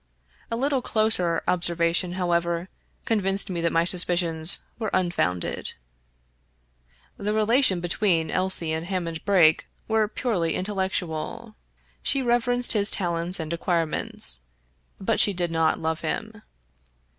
A little closer observation, however, convinced me that my suspicions were unfounded. The relation between Elsie and Ham 57 Irish Mystery Stories mond Brake were purely intellectual. She reverenced his talents and acquirements, but she did not love him.